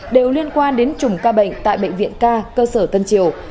đều liên quan đến chủng ca bệnh tại bệnh viện ca cơ sở tân triều